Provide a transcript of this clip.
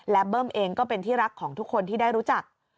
และเบิ้มเองก็เป็นที่รักของทุกคนที่ได้รู้จัก